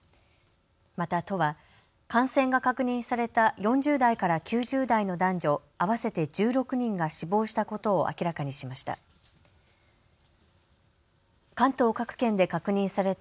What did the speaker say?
また都は感染が確認された４０代から９０代の男女合わせて１６人が死亡したことを明らかにしました。